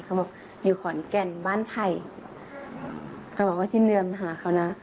เขาบอกอยู่ขอนแก่นบ้านไผ่เขาบอกว่าสิ้นเดือนมาหาเขานะ